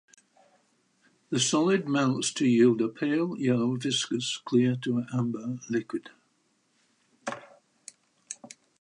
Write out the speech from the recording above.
The solid melts to yield a pale yellow viscous clear to amber liquid.